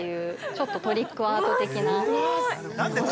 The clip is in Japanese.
ちょっとトリックアート的な。